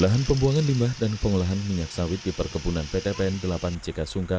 lahan pembuangan limbah dan pengolahan minyak sawit di perkebunan ptpn delapan cikasungka